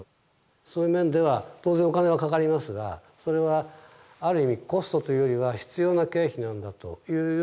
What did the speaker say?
そういう面では当然お金はかかりますがそれはある意味コストというよりは必要な経費なんだというような感覚に変えています。